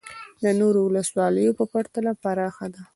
د نورو ولسوالیو په پرتله پراخه ده